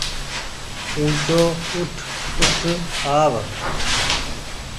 اُوچو اُٺ اٺ آو